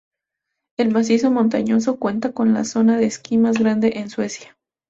El macizo montañoso cuenta con la zona de esquí más grande en Suecia.